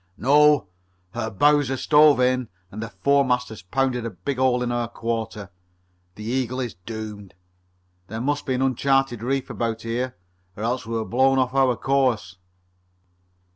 "No. Her bows are stove in and the foremast has pounded a big hole in her quarter. The Eagle is doomed. There must be an uncharted reef about here, or else we were blown off our course."